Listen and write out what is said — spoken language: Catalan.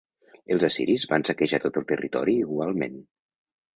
Els assiris van saquejar tot el territori igualment.